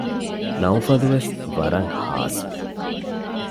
ނައުފަލުވެސް ވަރަށް ހާސްވި